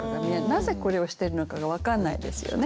なぜこれをしてるのかが分かんないですよね。